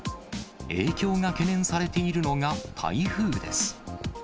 影響が懸念されているのが台風です。